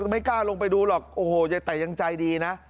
ไม่กล้าลงไปดูหรอกโอ้โหยายแต่ยังใจดีนะ